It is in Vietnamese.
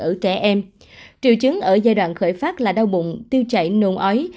ở trẻ em triệu chứng ở giai đoạn khởi phát là đau bụng tiêu chảy nồn ói